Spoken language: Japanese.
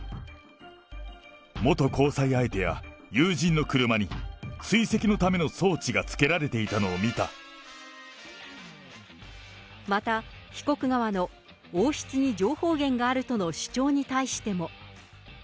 元交際相手や友人の車に追跡のための装置がつけられていたのまた、被告側の王室に情報源があるとの主張に対しても。